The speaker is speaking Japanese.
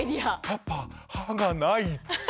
「パパ歯がない」っつって。